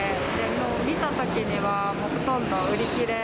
もう見たときにはほとんど売り切れ。